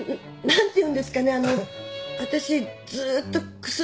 何ていうんですかね。